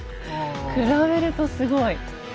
比べるとすごい。